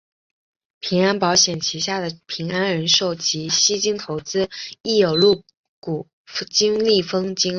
平安保险旗下的平安人寿及西京投资亦有入股金利丰金融。